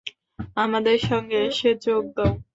আমাদের সঙ্গে এসে যোগ দাও।